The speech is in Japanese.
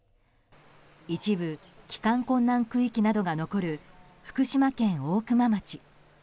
一部、帰還困難区域などが残る福島県大熊町。